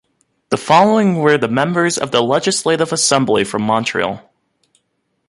The following were the members of the Legislative Assembly from Montreal.